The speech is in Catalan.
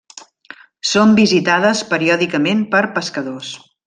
Són visitades periòdicament per pescadors.